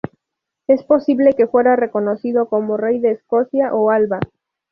Es posible que fuera reconocido como rey de Escocia o Alba.